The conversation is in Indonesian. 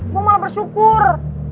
gue malah bersyukur